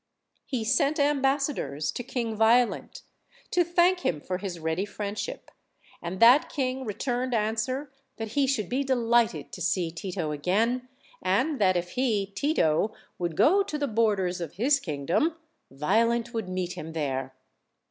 He sent ambassadors to King Violent, to thank him for his ready friendship; and that king returned answer that he should be delighted to see Tito again, and that if he (Tito) would go to the borders of his kingdom, Vio lent would meet him there.